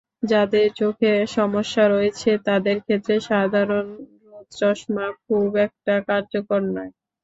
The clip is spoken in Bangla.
যাঁদের চোখে সমস্যা রয়েছে, তাঁদের ক্ষেত্রে সাধারণ রোদচশমা খুব একটা কার্যকর নয়।